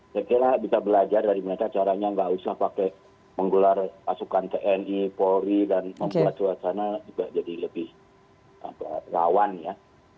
saya kira bisa belajar dari mereka caranya nggak usah pakai menggelar pasukan tni polri dan membuat suasana juga jadi lebih rawan ya